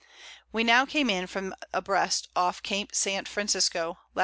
We now came in from abreast off Cape St. Francisco, Lat.